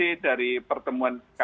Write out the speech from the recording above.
sanksi tidak boleh bertanggung jawab